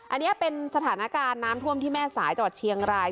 อันนี้เป็นสถานการณ์น้ำท่วมที่แม่สายจังหวัดเชียงราย